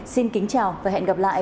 xin kính chào và hẹn gặp lại